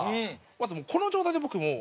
まずもうこの状態で僕もう。